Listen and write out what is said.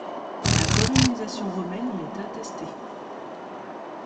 La colonisation romaine y est attestée.